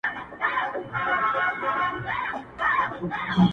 د خوارانو لاس به درسي تر ګرېوانه.!